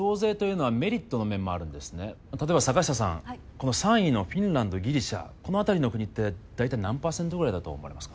この３位のフィンランドギリシャこのあたりの国って大体何％ぐらいだと思われますか？